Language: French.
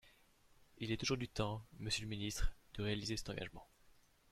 Il est aujourd’hui temps, monsieur le ministre, de réaliser cet engagement.